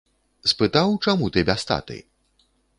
Спытаў, чаму ты без таты?